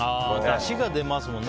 だしが出ますもんね。